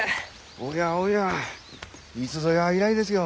おやおやいつぞや以来ですよ。